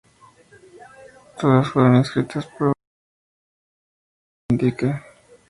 Todas fueron escritas por Bryan Ferry, excepto donde se indique.